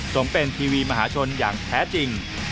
สมเป็นทีวีมหาชนอย่างแท้จริง